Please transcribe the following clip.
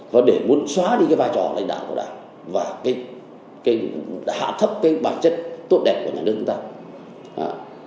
và để muốn xóa đi cái vai trò lãnh đạo của đảng và cái hạ thấp cái bản chất tốt đẹp của nhà nước chúng ta